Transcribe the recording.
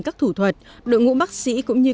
các thủ thuật đội ngũ bác sĩ cũng như